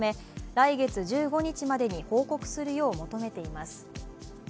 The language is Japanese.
来月１５日までに報告するよう求めています。